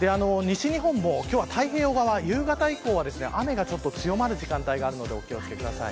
西日本も夕方以降は雨が強まる時間帯があるのでお気を付けください。